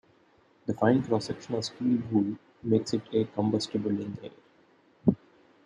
The fine cross-section of steel wool makes it combustible in air.